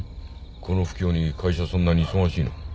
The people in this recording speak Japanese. この不況に会社そんなに忙しいの？